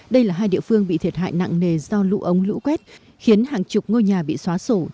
đây là hai địa phương bị thiệt hại nặng nề do lũ ống lũ quét khiến hàng chục ngôi nhà bị xóa sổ